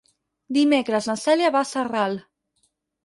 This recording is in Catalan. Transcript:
Dimecres na Cèlia va a Sarral.